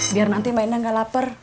biar nanti mbak indah gak lapar